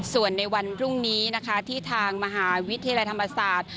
ส่วนในวันพรุ่งนี้นะคะที่ทางมหาวิทยาลัยธรรมศาสตร์